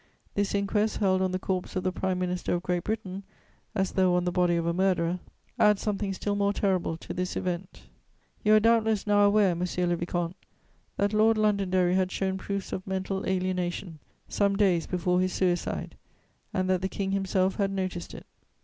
This inquest held on the corpse of the Prime Minister of Great Britain, as though on the body of a murderer, adds something still more terrible to this event "You are doubtless now aware, monsieur le vicomte, that Lord Londonderry had shown proofs of mental alienation some days before his suicide and that the King himself had noticed it.